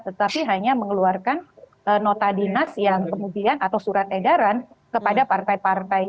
tetapi hanya mengeluarkan nota dinas yang kemudian atau surat edaran kepada partai partai